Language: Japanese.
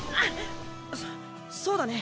そそうだね